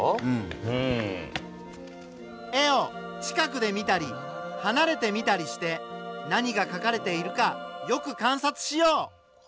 絵を近くで見たりはなれて見たりして何がかかれているかよく観察しよう。